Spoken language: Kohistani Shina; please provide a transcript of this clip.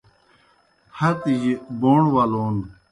ہتِجیْ بوݨ ولون